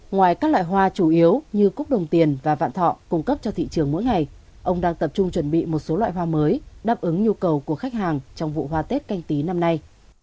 ngoài các loại hoa chủ yếu như cúc đồng tiền và vạn thọ cung cấp cho thị trường mỗi ngày ông đang tập trung chuẩn bị một số loại hoa mới đáp ứng nhu cầu của khách hàng trong vụ hoa tết canh tí năm nay